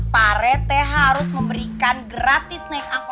pak rete harus memberikan gratis naik angkot